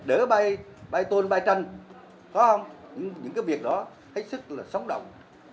đỡ bay tôn bay trăn những việc đó hết sức là sóng động